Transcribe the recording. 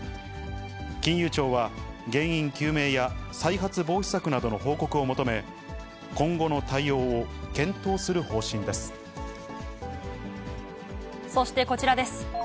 金融庁は原因究明や再発防止策などの報告を求め、今後の対応を検そしてこちらです。